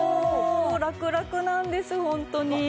ラクラクなんですホントに。